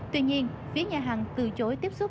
tuy nhiên phía nhà hàng từ chối tiếp xúc